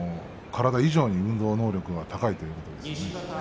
体以上に運動能力が高いということですね。